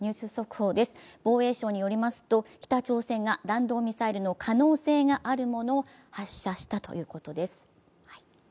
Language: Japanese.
防衛省によりますと北朝鮮が弾道ミサイルの可能性があるものを発射したということです。